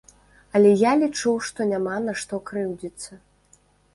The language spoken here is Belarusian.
Але я лічу, што няма на што крыўдзіцца!